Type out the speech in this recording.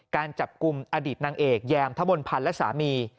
การจับกลุ่มอดีตนางเอกแยมทะบนพันธ์และสามี